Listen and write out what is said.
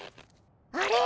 あれ？